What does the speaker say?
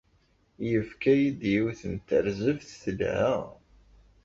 Yefka-yi-d yiwet n terzeft telha.